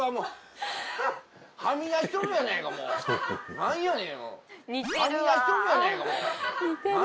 ・何やねん。